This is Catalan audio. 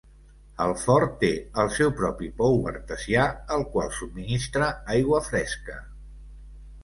El fort té el seu propi pou artesià, el qual subministra aigua fresca.